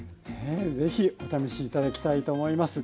是非お試し頂きたいと思います。